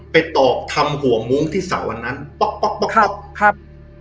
ไปตอบทำหัวมุ้งที่เสาอันนั้นป๊อกป๊อกป๊อกครับครับ